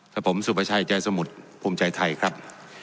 กับผมสุประชัยใจสมุทรภูมิใจไทยครับ